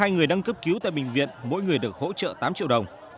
một mươi hai người đăng cấp cứu tại bệnh viện mỗi người được hỗ trợ tám triệu đồng